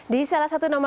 di salah satu turnamennya